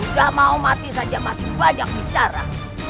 gak mau mati saja masih banyak bicara